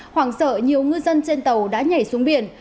hoảng sợ nhiều ngư dân trên tàu đã nhảy xuống biển